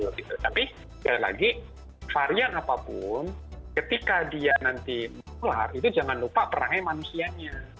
tapi sekali lagi varian apapun ketika dia nanti menular itu jangan lupa perangnya manusianya